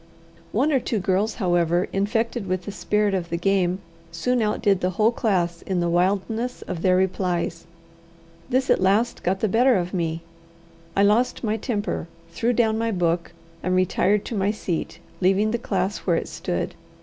One or two girls, however, infected with the spirit of the game, soon outdid the whole class in the wildness of their replies. This at last got the better of me; I lost my temper, threw down my book, and retired to my seat, leaving the class where it stood.